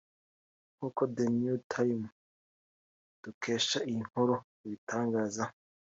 nk’uko The New Times dukesha iyi nkuru ibitangaza